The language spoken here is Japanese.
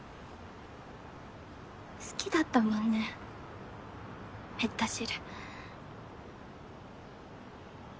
好きだったもんねめった汁。